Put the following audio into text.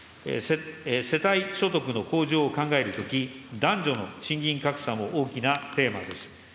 世帯所得の向上を考えるとき、男女の賃金格差も大きなテーマです。